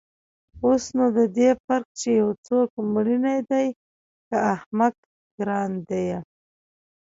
اوس نو د دې فرق چې يو څوک مېړنى دى که احمق گران ديه.